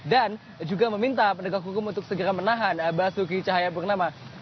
dan juga meminta pendegang hukum untuk segera menahan basuki cahayapurnamat